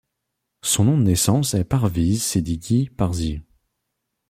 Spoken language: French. Son nom de naissance est Parviz Sedighi Parsi.